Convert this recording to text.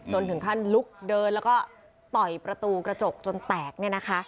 ถึงขั้นลุกเดินแล้วก็ต่อยประตูกระจกจนแตก